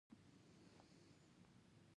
په عربي او انګریزي ژبو تفاهم وکړي.